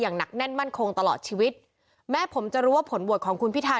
หนักแน่นมั่นคงตลอดชีวิตแม้ผมจะรู้ว่าผลโหวตของคุณพิทา